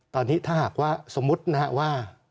ตอนนี้ถ้าหากว่าสมมุตินะครับว่า